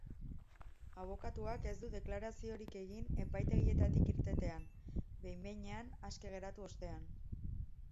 Abokatuak ez du deklaraziorik egin epaitegietatik irtetean, behin-behinean aske geratu ostean.